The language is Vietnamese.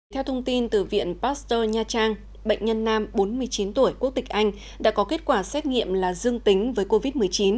theo thông tin từ viện pasteur nha trang bệnh nhân nam bốn mươi chín tuổi quốc tịch anh đã có kết quả xét nghiệm là dương tính với covid một mươi chín